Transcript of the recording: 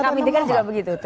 kami dengar juga begitu